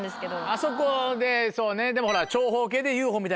あそこでそうねでもほら。